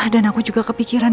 dan aku juga kepikiran